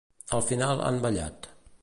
Al final han ballat.